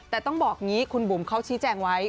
แต่ต้องบอกอย่างนี้คุณบุ๋มเขาชี้แจงไว้